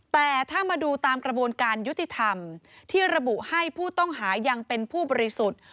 แต่ถ้ามาดูตามกระบวนการยุติธรรมที่ระบุให้ผู้ต้องหายังเป็นผู้บริสุทธิ์